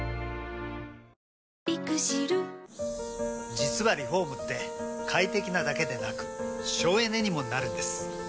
実はリフォームって快適なだけでなく省エネにもなるんです。